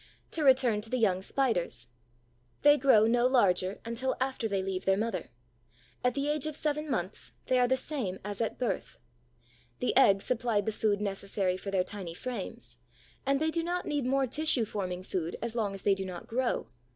To return to the young Spiders: they grow no larger until after they leave their mother. At the age of seven months they are the same as at birth. The egg supplied the food necessary for their tiny frames; and they do not need more tissue forming food as long as they do not grow.